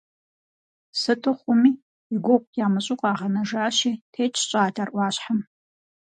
Сыту хъуми, и гугъу ямыщӏу къагъэнэжащи, тетщ щӏалэр ӏуащхьэм.